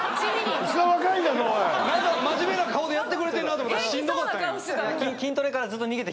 真面目な顔でやってくれてんなと思ったらしんどかったんや。